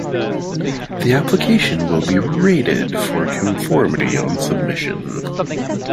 The application will be rated for conformity on submission.